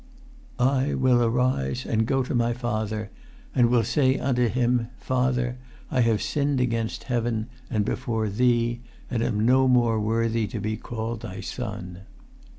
"I will arise, and go to my father, and will say unto him, Father, I have sinned against heaven, and before thee, and am no more worthy to be called thy son."